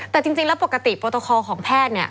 แต่จริงแล้วปกติโปรตคอของแพทย์เนี่ย